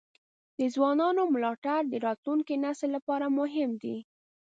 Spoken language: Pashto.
د ځوانانو ملاتړ د راتلونکي نسل لپاره مهم دی.